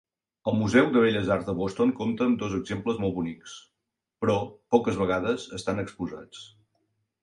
El Museu de Belles Arts de Boston compta amb dos exemples molt bonics, però poques vegades estan exposats.